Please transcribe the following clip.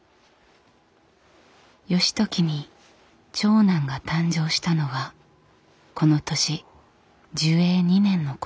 義時に長男が誕生したのはこの年寿永２年のこと。